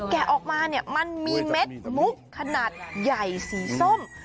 แกะออกมาเนี่ยมันมีเม็ดมุกขนาดใหญ่สีส้ม